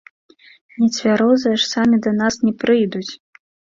Нецвярозыя ж самі да нас не прыйдуць!